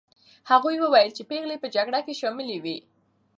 هغوی وویل چې پېغلې په جګړه کې شاملي وې.